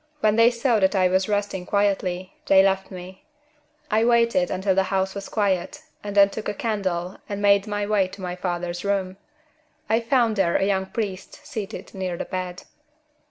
When they saw that I was resting quietly, they left me. I waited until the house was quiet and then took a candle and made my way to my father's room. I found there a young priest seated near the bed.